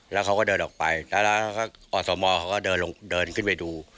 แล้วเขาก็เดินออกไปแล้วอสมเขาก็เดินลงเดินขึ้นไปดู